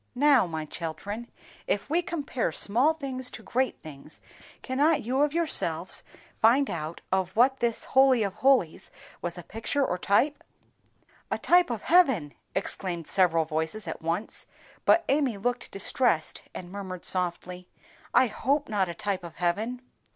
Now, my children, if we compare small things to great things, cannot you of yourselves find out of what this Holy of holies was a picture or a type?" "A type of heaven!" exclaimed several voices at once; but Amy looked distressed, and murmured softly, "I hope not a type of heaven."